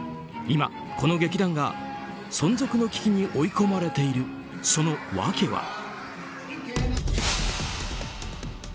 今、この劇団が存続の危機に追い込まれているその訳は。